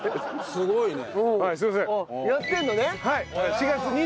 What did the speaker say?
すごいね。